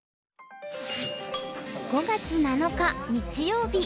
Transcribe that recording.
５月７日日曜日。